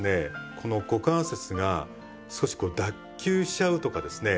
この股関節が少しこう脱臼しちゃうとかですね